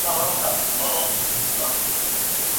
د بشر نیکمرغي په یو نړیوال حکومت کي ده.